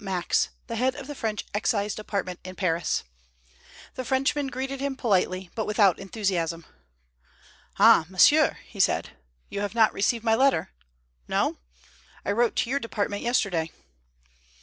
Max, the head of the French Excise Department in Paris. The Frenchman greeted him politely, but without enthusiasm. "Ah, monsieur," he said, "you have not received my letter? No? I wrote to your department yesterday."